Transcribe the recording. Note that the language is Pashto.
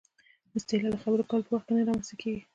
اصطلاح د خبرو کولو په وخت کې نه رامنځته کېږي